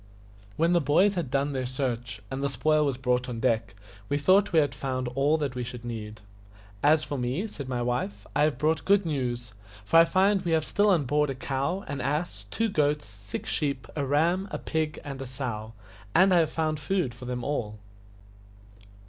When the boys had done their search, and the spoil was brought on deck, we thought we had found all that we should need. "As for me," said my wife, "I have brought good news, for I find we have still on board a cow, an ass, two goats, six sheep, a ram, a pig, and a sow, and I have found food for them all."